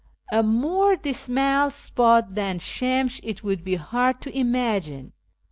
A more dismal spot than Shemsh it would be hard to imagine.